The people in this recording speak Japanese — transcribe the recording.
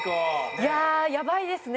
いややばいですね。